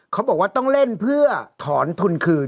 เขาบอกว่าต้องเล่นเพื่อถอนทุนคืน